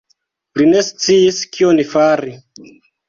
Li ne sciis kion fari.